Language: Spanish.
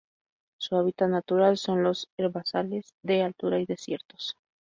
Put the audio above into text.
Su hábitat natural son los herbazales de altura y desiertos.